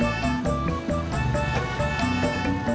gak ada sih